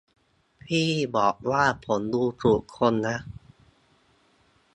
พี่บอกว่าผมดูถูกคนนะ